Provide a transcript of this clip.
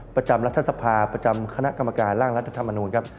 ประจำรัฐสภาประจำคณะกรรมการร่างรัฐธรรมนูลครับ